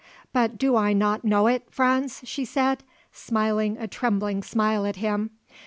"But do I not know it, Franz?" she said, smiling a trembling smile at him.